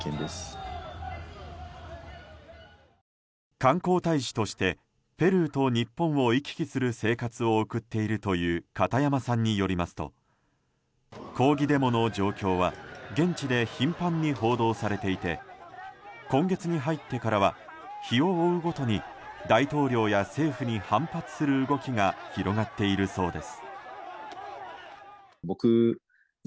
観光大使としてペルーと日本を行き来する生活を送っているという片山さんによりますと抗議デモの状況は現地で頻繁に報道されていて今月に入ってからは日を追うごとに大統領や政府に反発する動きが広がっているそうです。